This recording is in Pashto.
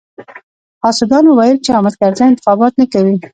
حاسدانو ويل چې حامد کرزی انتخابات نه کوي.